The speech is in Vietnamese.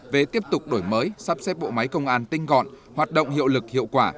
về tiếp tục đổi mới sắp xếp bộ máy công an tinh gọn hoạt động hiệu lực hiệu quả